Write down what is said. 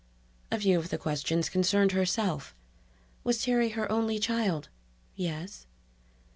A few of the questions concerned herself: Was Terry her only child? ("Yes.")